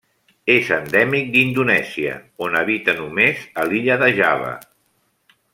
És endèmic d'Indonèsia, on habita només a l'illa de Java.